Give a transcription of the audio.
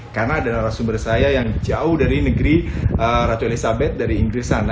karena ada narasumber saya yang jauh dari negeri ratu elisabeth dari inggris sana